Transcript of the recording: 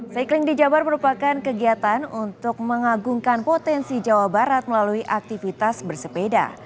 cycling di jabar merupakan kegiatan untuk mengagungkan potensi jawa barat melalui aktivitas bersepeda